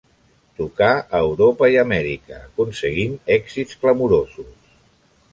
Tocà a Europa i Amèrica aconseguint èxits clamorosos.